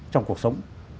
trong cuộc sống